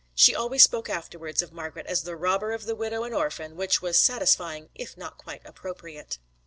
She always spoke afterwards of Margret as the robber of the widow and orphan, which was satisfying if not quite appropriate.